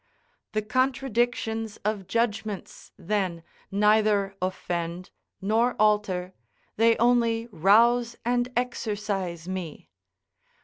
The contradictions of judgments, then, neither offend nor alter, they only rouse and exercise, me.